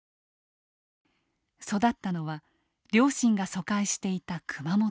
育ったのは両親が疎開していた熊本。